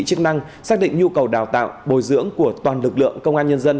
các đơn vị chức năng xác định nhu cầu đào tạo bồi dưỡng của toàn lực lượng công an nhân dân